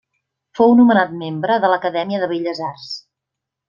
Fou nomenat membre de l'Acadèmia de Belles Arts.